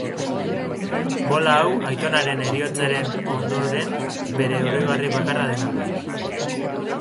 Bola hau aitonaren heriotzaren ondoren bere oroigarri bakarra dena.